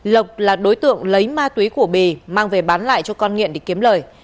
lộc là đối tượng lấy ma túy của bì mang về bán lại cho con nghiện để kiếm lời